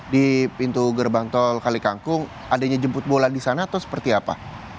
di pintu gerbang tol kalikangkung adanya jemput bola di sana atau seperti apa